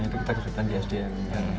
itu kita kesulitan di sdm